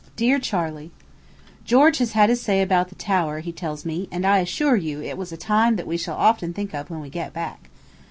DEAR CHARLEY: George has said his say about the Tower, he tells me; and I assure you it was a time that we shall often think of when we get back.